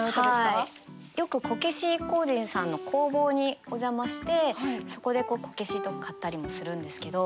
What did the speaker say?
よくこけし工人さんの工房にお邪魔してそこでこけしとか買ったりもするんですけど。